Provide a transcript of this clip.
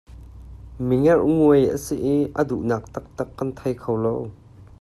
Mi ngerhnguai a si i a duhnak taktak kan thei kho lo.